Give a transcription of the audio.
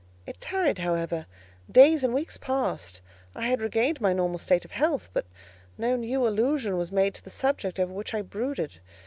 It tarried, however: days and weeks passed: I had regained my normal state of health, but no new allusion was made to the subject over which I brooded.